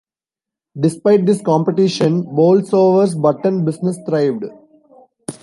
Despite this competition, Boulsover's button business thrived.